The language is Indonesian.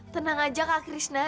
tenang aja kak krishna